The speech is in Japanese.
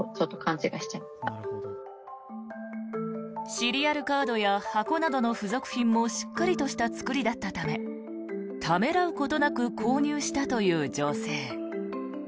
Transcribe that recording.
シリアルカードや箱などの付属品もしっかりとした作りだったためためらうことなく購入したという女性。